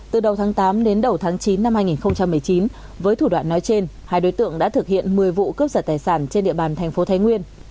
từ đầu tháng tám đến đầu tháng chín năm hai nghìn một mươi chín với thủ đoạn nói trên hai đối tượng đã thực hiện một mươi vụ cướp giật tài sản trên địa bàn thành phố thái nguyên